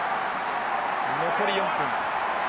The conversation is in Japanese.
残り４分。